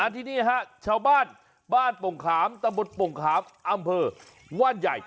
ที่นี่ฮะชาวบ้านบ้านโป่งขามตะบนโป่งขามอำเภอว่านใหญ่